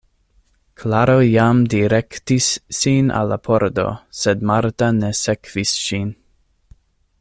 Klaro jam direktis sin al la pordo, sed Marta ne sekvis ŝin.